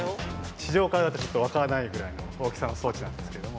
地上からだとちょっと分からないぐらいの大きさの装置なんですけども。